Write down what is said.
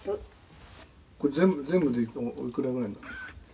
「これ全部でおいくらぐらいなんですか？」